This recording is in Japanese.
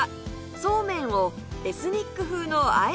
そうめんをエスニック風のあえ